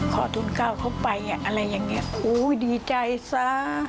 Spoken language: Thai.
ทุนก้าวเข้าไปอะไรอย่างนี้โอ้ยดีใจซะ